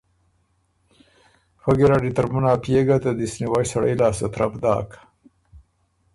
فۀ ګیرډ اِر ترمُن ا پئے ګه ته دِست نیوئ سړئ لاسته ترپ داک